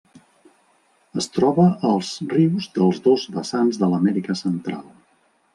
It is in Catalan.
Es troba als rius dels dos vessants de l'Amèrica Central.